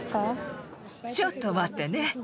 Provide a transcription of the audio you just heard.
ちょっと待ってね。